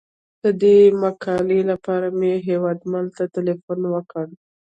د دې مقالې لپاره مې هیوادمل ته تیلفون وکړ.